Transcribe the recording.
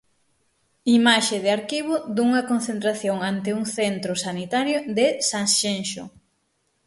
Imaxe de arquivo dunha concentración ante un centro sanitario de Sanxenxo.